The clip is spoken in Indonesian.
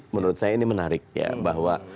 menurut saya ini menarik ya bahwa